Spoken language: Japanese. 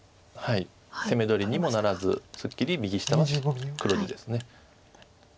攻め取りにもならずすっきり右下は黒地です。